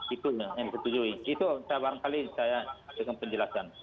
itunya yang disetujui itu barangkali saya akan penjelasan